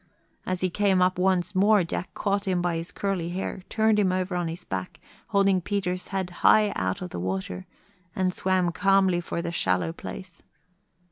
As he came up once more Jack caught him by his curly hair, turned over on his back, holding Peter's head high out of the water, and swam calmly for the shallow place.